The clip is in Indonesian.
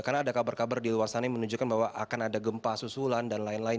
karena ada kabar kabar di luar sana yang menunjukkan bahwa akan ada gempa susulan dan lain lain